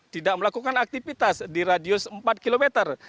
tidak melakukan aktivitas di radius empat kilometer